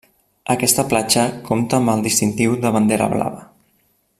Aquesta platja compta amb el distintiu de Bandera Blava.